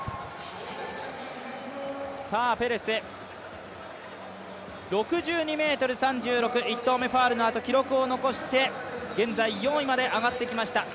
ペレス、６２ｍ３６、１投目、ファウルのあと記録を残して現在４位まで上がってきました。